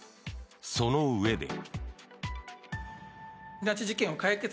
そのうえで。